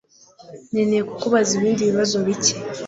Nkeneye kukubaza ibindi bibazo bike.